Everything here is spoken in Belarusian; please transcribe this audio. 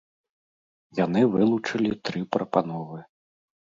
Яны вылучылі тры прапановы.